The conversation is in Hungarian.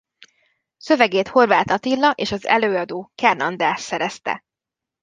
Szövegét Horváth Attila és az előadó Kern András szerezte.